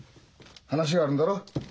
話があるんだろう？